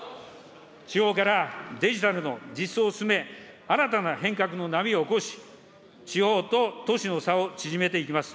地方からデジタルの実装を進め、新たな変革の波を起こし、地方と都市の差を縮めていきます。